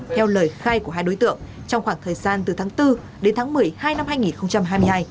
theo lời khai của hai đối tượng trong khoảng thời gian từ tháng bốn đến tháng một mươi hai năm hai nghìn hai mươi hai